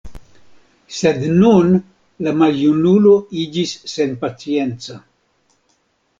Sed nun la maljunulo iĝis senpacienca.